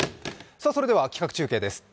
それでは企画中継です。